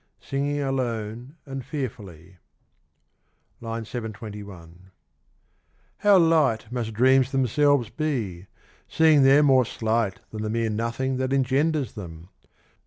Singling alone and fearfully. ... (I. 721) how light Must dreams themselves be; seeing they're more slight Than the mere nothing that engenders them